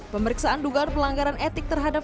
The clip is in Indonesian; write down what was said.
pemeriksaan dugaan pelanggaran etik terhadap